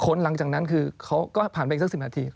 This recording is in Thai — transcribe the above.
ค้นหลังจากนั้นคือเขาก็ผ่านไปสักสิบนาที